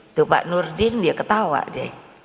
itu pak nurdin dia ketawa deh